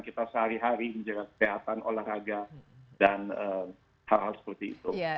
kita sehari hari menjaga kesehatan olahraga dan hal hal seperti itu